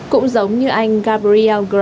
cũng giống như anh gabriel gros